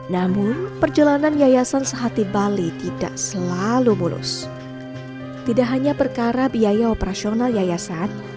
namun perjalanan yayasan sehati bali tidak selalu mulus tidak hanya perkara biaya operasional yayasan